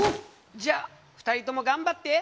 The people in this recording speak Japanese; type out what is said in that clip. じゃあ２人とも頑張って。